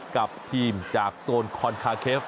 กับทีมจากโซนคอนคาเคฟ